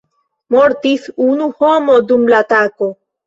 Mortis unu homo dum la atako.